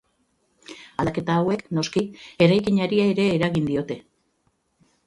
Aldaketa hauek, noski, eraikinari ere eragin diote.